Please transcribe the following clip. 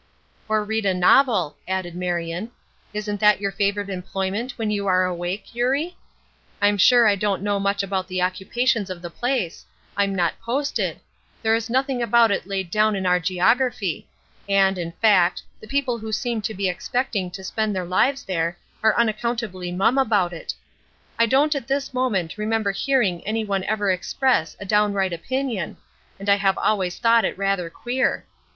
"Or read a novel," added Marion. "Isn't that your favorite employment when you are awake, Eurie? I'm sure I don't know much about the occupations of the place; I'm not posted; there is nothing about it laid down in our geography; and, in fact, the people who seem to be expecting to spend their lives there are unaccountably mum about it. I don't at this moment remember hearing any one ever express a downright opinion, and I have always thought it rather queer.